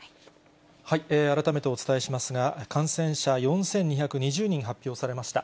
改めてお伝えしますが、感染者４２２０人発表されました。